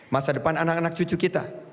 masa depan anak anak cucu kita